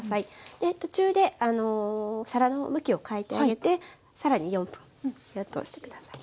で途中で皿の向きを変えてあげて更に４分火を通して下さい。